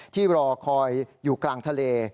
รอคอยอยู่กลางทะเล